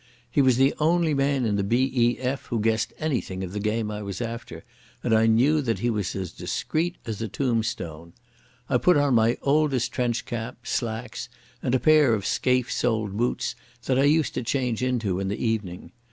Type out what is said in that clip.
He was the only man in the B.E.F. who guessed anything of the game I was after, and I knew that he was as discreet as a tombstone. I put on my oldest trench cap, slacks, and a pair of scaife soled boots, that I used to change into in the evening.